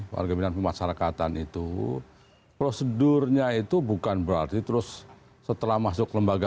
warga binaan pemasarakatan itu prosedurnya itu bukan berarti terus setelah masuk lembaga